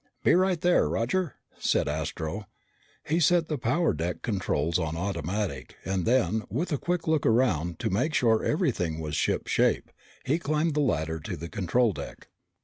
"Be right there, Roger!" said Astro. He set the power deck controls on automatic, and then, with a quick look around to make sure everything was shipshape, he climbed the ladder to the control deck.